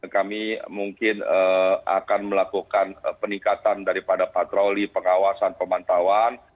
kami mungkin akan melakukan peningkatan daripada patroli pengawasan pemantauan